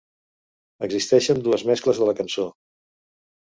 Existeixen dues mescles de la cançó.